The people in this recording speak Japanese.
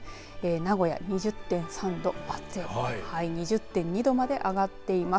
名古屋、２０．３度松江は２０．２度まで上がっています。